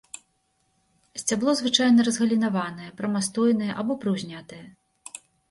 Сцябло звычайна разгалінаванае, прамастойнае або прыўзнятае.